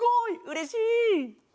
うれしい。